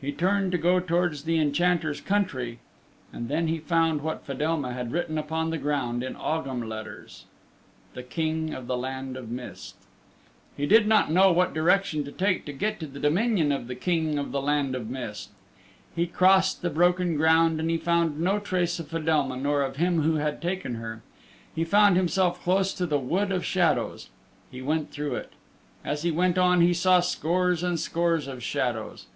He turned to go towards the Enchanter's country and then he found what Fedelma had written upon the ground in Ogham letters ____II_____________\/______//___ IIII /\ "The King of the Land of Mist" He did not know what direction to take to get to the dominion of the King of the Land of Mist. He crossed the broken ground and he found no trace of Fedelma nor of him who had taken her. He found himself close to the Wood of Shadows. He went through it. As he went on he saw scores and scores of shadows.